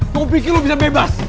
mau pikir lo bisa bebas